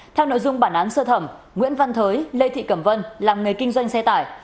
theo nội dung bản án sơ thẩm nguyễn văn thới lê thị cẩm vân làm nghề kinh doanh xe tải